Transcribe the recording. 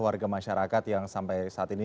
warga masyarakat yang sampai saat ini